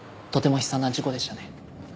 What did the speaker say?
とても悲惨な事故でしたね。